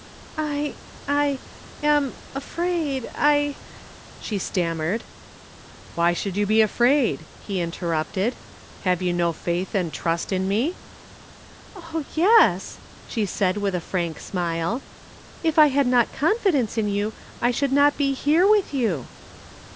"I I am afraid I " she stammered. "Why should you be afraid?" he interrupted. "Have you no faith and trust in me?" "Oh, yes," she said with a frank smile, "if I had not confidence in you, I should not be here with you."